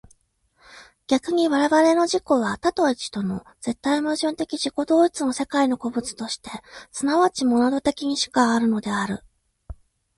逆に我々の自己は多と一との絶対矛盾的自己同一の世界の個物として即ちモナド的にしかあるのである。